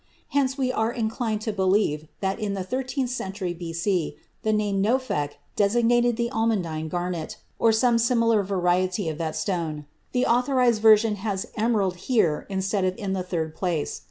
Hence we are inclined to believe that in the thirteenth century B.C. the name nophek designated the almandine garnet, or some similar variety of that stone. The Authorized Version has "emerald" here instead of in the third place.